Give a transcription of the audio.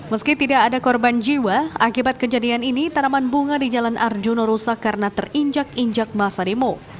meski tidak ada korban jiwa akibat kejadian ini tanaman bunga di jalan arjuna rusak karena terinjak injak masa demo